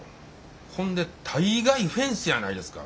ほんで大概フェンスやないですか。